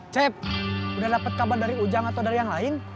cep udah dapat kabar dari ujang atau dari yang lain